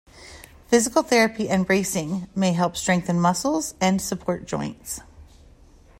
Physical therapy and bracing may help strengthen muscles and support joints.